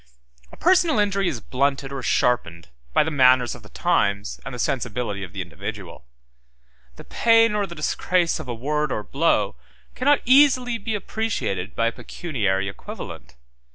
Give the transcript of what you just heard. A personal injury is blunted or sharpened by the manners of the times and the sensibility of the individual: the pain or the disgrace of a word or blow cannot easily be appreciated by a pecuniary equivalent.